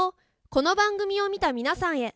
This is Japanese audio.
この番組を見た皆さんへ。